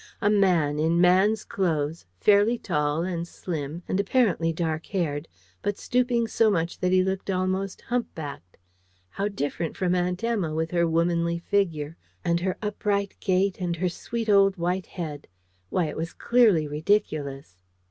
A man in man's clothes fairly tall and slim, and apparently dark haired, but stooping so much that he looked almost hump backed: how different from Aunt Emma, with her womanly figure, and her upright gait, and her sweet old white head! Why, it was clearly ridiculous.